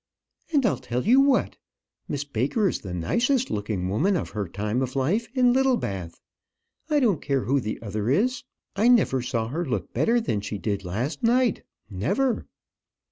"And I'll tell you what; Miss Baker is the nicest looking woman of her time of life in Littlebath. I don't care who the other is. I never saw her look better than she did last night; never."